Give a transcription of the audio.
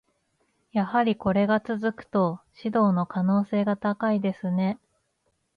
やはりこれが続くと、指導の可能性が高いですね。